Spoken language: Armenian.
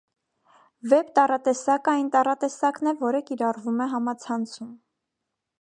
Վեբ տառատեսակը այն տառատեսակն է, որը կիրառվում է համացանցում։